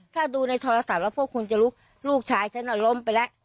ถ้าดูในโทรศัพท์แล้วพวกคุณจะรู้ลูกชายฉันล้มไปแล้ว